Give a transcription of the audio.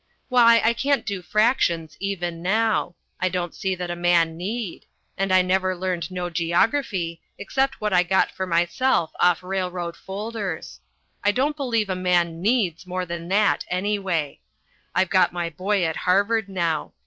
Why, I can't do fractions even now. I don't see that a man need. And I never learned no geography, except what I got for myself off railroad folders. I don't believe a man needs more than that anyway. I've got my boy at Harvard now.